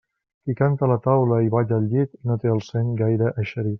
Qui canta a la taula i balla al llit no té el seny gaire eixerit.